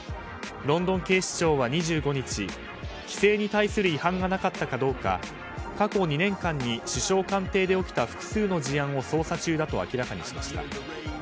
ロンドン警視庁は２５日規制に対する違反がなかったかどうか過去２年間に首相官邸で起きた複数の事案を捜査中だと明らかにしました。